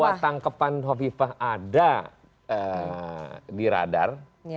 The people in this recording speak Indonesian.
bahwa tangkepan hovifah ada di radar